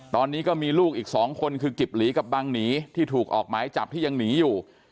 ตอนนี้ก็มีลูกอีก๒คนคือกิบหลีกับบังหนีที่ถูกออกหมายจับที่ยังหนีอยู่